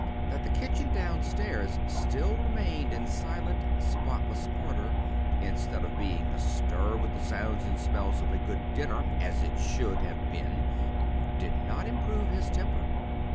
That the kitchen down stairs still remained in silent, spotless order instead of being astir with the sounds and smells of a good dinner (as it should have been) did not improve his temper.